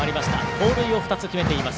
盗塁を２つ決めています。